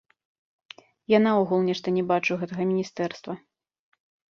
Я наогул нешта не бачу гэтага міністэрства.